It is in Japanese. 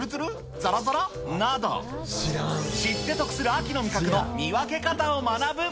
ざらざら？など、知って得する秋の味覚の見分け方を学ぶ。